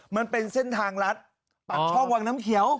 มันเป็นเส้นทางลัดปากช่องวังน้ำเขียว